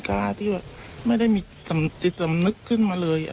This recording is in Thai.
กล้าที่ไม่ได้มีติดสำนึกขึ้นมาเลย